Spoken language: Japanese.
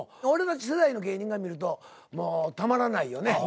俺たち世代の芸人が見るともうたまらないよね。